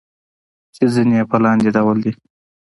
چې ځينې يې په لاندې ډول دي: